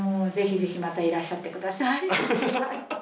ぜひぜひまたいらっしゃってください。